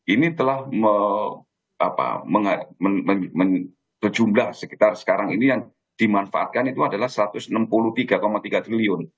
ini telah berjumlah sekitar sekarang ini yang dimanfaatkan itu adalah rp satu ratus enam puluh tiga tiga triliun